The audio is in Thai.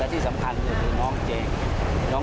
แล้วที่สำคัญนี่ก็คือน้องเจน